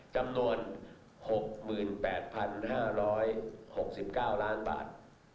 จำนวน๖๘๕๖๙ล้านบาท